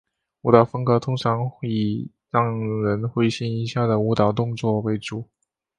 舞蹈风格通常以让人会心一笑的舞蹈动作为主。